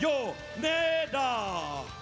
โยเนดา